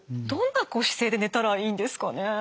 どんな姿勢で寝たらいいんですかね？